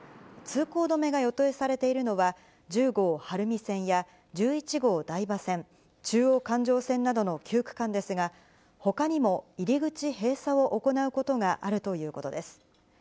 通行止めが予定されているのは、１０号晴海線や、１１号台場線、中央環状線などの９区間ですが、ほかにも入り口閉鎖を行うことがあるということです。